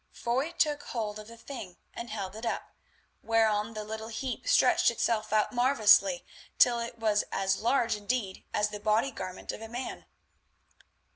Foy took hold of the thing and held it up, whereon the little heap stretched itself out marvellously, till it was as large indeed as the body garment of a man.